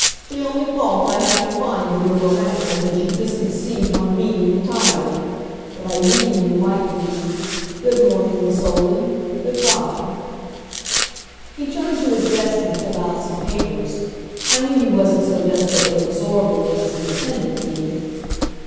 "The only fault I have to find with your harangue is that you've misconceived my meaning entirely. But I needn't enlighten you. Good morning, Miss Olden good by." He turned to his desk and pulled out some papers. I knew he wasn't so desperately absorbed in them as he pretended to be.